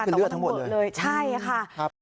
คือเลือดทั้งหมดเลยใช่ค่ะครับ